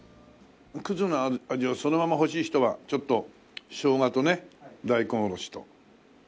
の味をそのまま欲しい人はちょっとショウガとね大根おろしと。